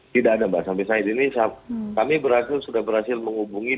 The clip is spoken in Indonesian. tidak ada mbak sampai saat ini kami berhasil menghubungi